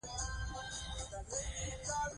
مور د ماشومانو د ودې مرحلې تعقیبوي.